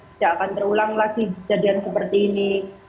tidak akan terulang lagi kejadian seperti ini